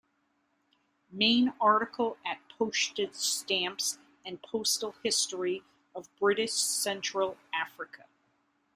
Main article at Postage stamps and postal history of British Central Africa.